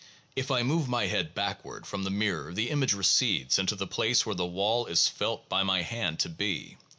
If I move my head backward from the mirror the image recedes into the place where the wall is felt by my hand to be.